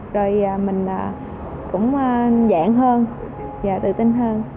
rồi mình cũng dạng hơn và tự tin hơn